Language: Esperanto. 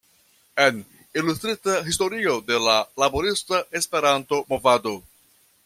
En: Ilustrita historio de la Laborista Esperanto-Movado.